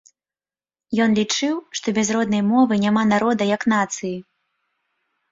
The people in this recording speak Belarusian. Ён лічыў, што без роднай мовы няма народа як нацыі.